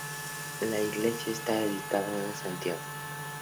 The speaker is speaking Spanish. La iglesia está dedicada a Santiago.